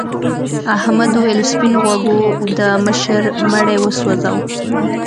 احمد وویل سپین غوږو د مشر مړی وسوځاوه.